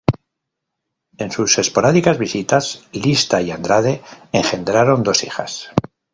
En sus esporádicas visitas, Lista y Andrade engendraron dos hijas.